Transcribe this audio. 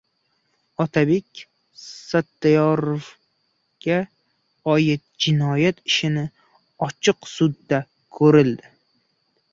Otabek Sattoriyga oid jinoyat ishi ochiq sudda ko‘riladi